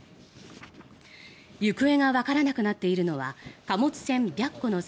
行方がわからなくなっているのは貨物船「白虎」の船